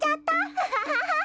アハハハハ！